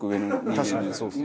確かにそうですね。